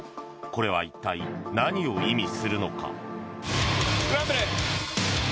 これは一体何を意味するのか。